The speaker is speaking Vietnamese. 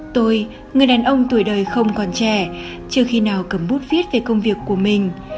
tôi người đàn ông tuổi đời không còn trẻ chưa khi nào cầm bút viết về công việc của mình